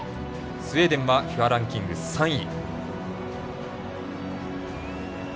スウェーデンはＦＩＦＡランキング３位。